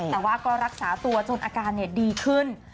แต่ว่าก็รักษาตัวจนอาการดีขึ้น